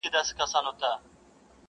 احساس هم کوي،